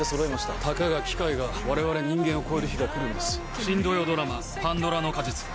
たかが機械がわれわれ人間を超える日が来るんです。